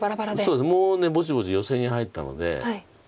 そうですねもうぼちぼちヨセに入ったので。